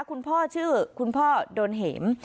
คุณพ่อชื่อคุณพ่อโดนเหม